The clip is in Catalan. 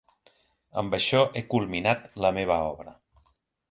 Amb això he culminat la meva obra.